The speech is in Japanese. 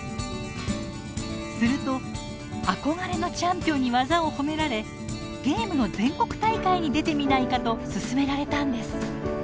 すると憧れのチャンピオンに技を褒められ「ゲームの全国大会に出てみないか」と勧められたんです。